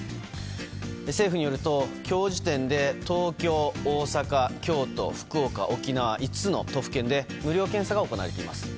政府によると今日時点で東京、大阪、京都、福岡、沖縄５つの都府県で無料検査が行われています。